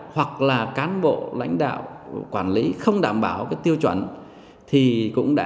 hoặc là cán bộ lãnh đạo quản lý không đảm bảo cái tiêu chuẩn